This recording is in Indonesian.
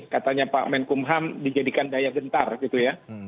katanya pak menkumham dijadikan daya gentar gitu ya